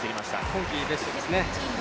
今季ベストですね。